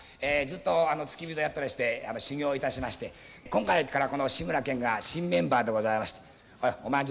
ずっと付き人やったりして修業いたしまして今回からこの志村けんが新メンバーでございましておい